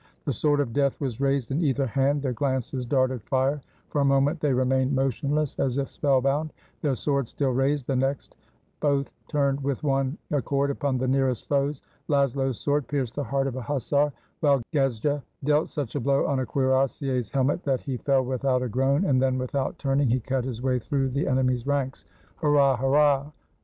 The sword of death was raised in either hand, their glances darted fire ; for a moment they remained motion less, as if spellbound, their swords still raised — the next both turned with one accord upon the nearest foes. Laszlo's sword pierced the heart of a hussar, while Gejza dealt such a blow on a cuirassier's helmet that he fell without a groan, and then, without turning, he cut his way through the enemy's ranks — "Hurrah! hurrah!